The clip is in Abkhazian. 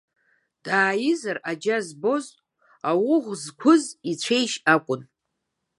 Дааизар аџьа збоз, ауӷә зқәыз ицәеижь акәын.